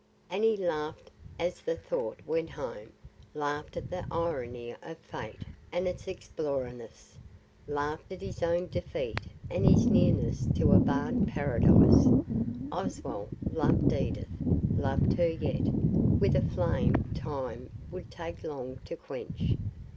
And he laughed, as the thought went home; laughed at the irony of fate and its inexorableness; laughed at his own defeat and his nearness to a barred Paradise. Oswald loved Edith, loved her yet, with a flame time would take long to quench.